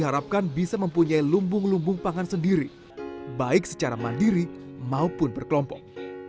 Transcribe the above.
kampung tangguh ini mempunyai lumbung lumbung pangan sendiri baik secara mandiri maupun berkelompok